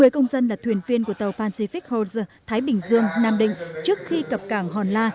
một mươi công dân là thuyền viên của tàu pacific hotz thái bình dương nam định trước khi cập cảng hòn la